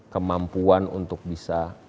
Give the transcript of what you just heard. kemampuan untuk bisa